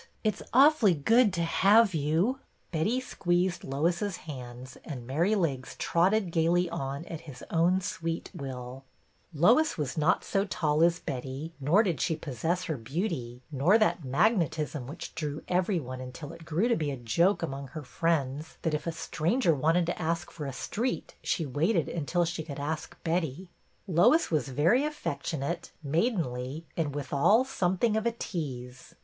It 's awfully good to have you." Betty squeezed Lois's hands and Merrylegs trotted gayly on at his own sweet will. LOIS BYRD'S COMING 59 Lois was not so tall as Betty, nor did she possess her beauty, nor that magnetism which drew every one until it grew to be a joke among her friends that if a stranger wanted to ask for a street she waited until she could ask Betty. Lois was very affectionate, maidenly, and withal something of a tease.